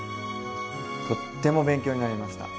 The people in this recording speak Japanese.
とっても勉強になりました。